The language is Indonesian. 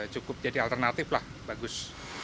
cukup jadi alternatif lah bagus